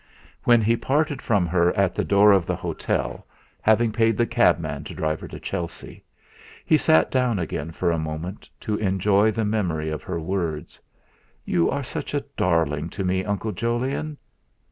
When he parted from her at the door of the hotel, having paid the cabman to drive her to Chelsea, he sat down again for a moment to enjoy the memory of her words: "You are such a darling to me, Uncle Jolyon!"